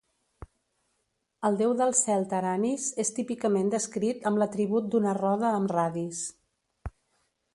El déu de cel Taranis és típicament descrit amb l'atribut d'una roda amb radis.